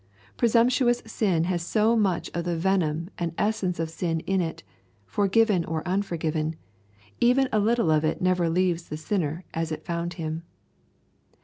Presumptuous sin has so much of the venom and essence of sin in it that, forgiven or unforgiven, even a little of it never leaves the sinner as it found him.